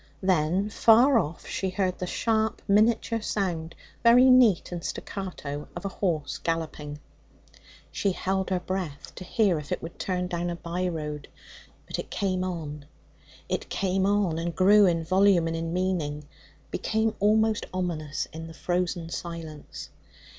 Then, far off she heard the sharp miniature sound, very neat and staccato, of a horse galloping. She held her breath to hear if it would turn down a by road, but it came on. It came on, and grew in volume and in meaning, became almost ominous in the frozen silence.